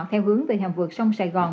theo hướng về hầm vượt sông sài gòn